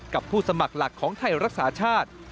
ผู้สมัครหลักของไทยรักษาชาติ